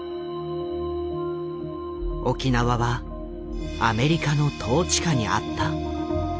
沖縄はアメリカの統治下にあった。